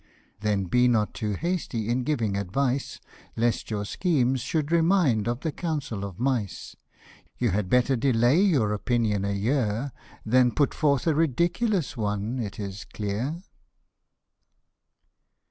74 Then be not too hasty in giving advice, Lest your schemes should remind of the council of mice; You had better delay your opinion a year. Than put forth a ridiculous one, it is clear.